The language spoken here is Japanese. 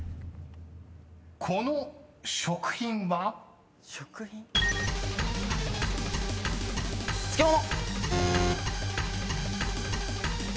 ［この食品は？］漬物！